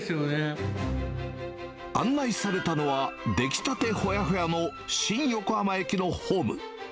案内されたのは、出来たてほやほやの新横浜駅のホーム。